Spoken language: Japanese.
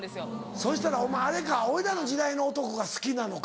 そしたらお前あれか俺らの時代の男が好きなのか。